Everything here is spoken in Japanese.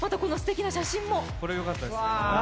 これよかったですね。